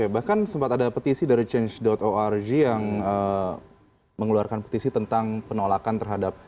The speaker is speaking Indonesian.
bahkan sempat ada petisi dari change org yang mengeluarkan petisi tentang penolakan terhadap